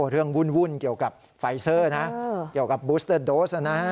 เรื่องวุ่นเกี่ยวกับไฟซอร์เกี่ยวกับบุสเตอร์โดส